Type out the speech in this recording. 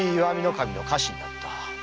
守の家臣だった。